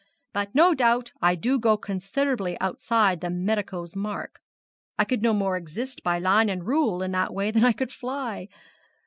But no doubt I do go considerably outside the medico's mark. I could no more exist by line and rule in that way than I could fly.